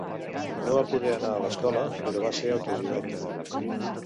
No va poder anar a l'escola però va ser autodidacta.